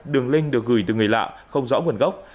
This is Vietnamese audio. đường link được gửi từ người lạ không rõ nguồn gốc